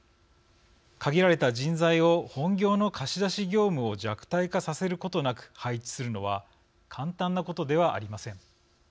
限られた人材を本業の貸し出し業務を弱体化させることなく配置するのは簡単なことではありません。